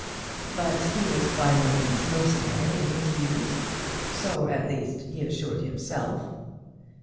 But he was by no means mercenary in his views; so, at least, he assured himself.